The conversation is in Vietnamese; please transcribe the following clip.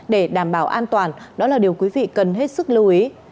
để đảm bảo an toàn đó là điều quý vị cần hết sức lưu ý